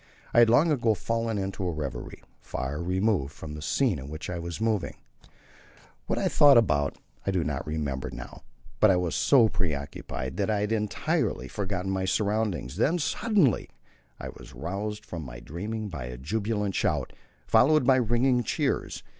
I had long ago fallen into a reverie far removed from the scene in which I was moving; what I thought about I do not remember now, but I was so preoccupied that I had entirely forgotten my surroundings. Then suddenly I was roused from my dreaming by a jubilant shout, followed by ringing cheers.